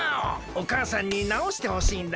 おかあさんになおしてほしいんだが。